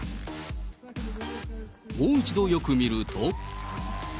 もう一度よく見ると。